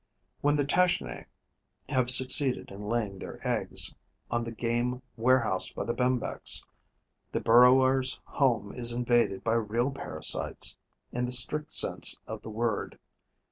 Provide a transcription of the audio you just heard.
When the Tachinae have succeeded in laying their eggs on the game warehoused by the Bembex, the burrower's home is invaded by real parasites, in the strict sense of the word.